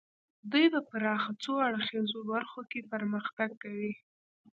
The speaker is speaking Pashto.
دوی په پراخه څو اړخیزو برخو کې پرمختګ کوي